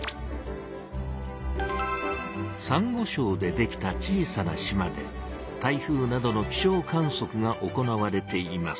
サンゴしょうでできた小さな島で台風などの気象観そくが行われています。